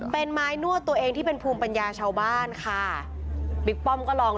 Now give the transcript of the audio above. เป็นไม้นวดตัวเองที่เป็นภูมิปัญญาชาวบ้านค่ะบิ๊กป้อมก็ลอง